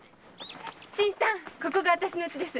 新さんここが私の家です。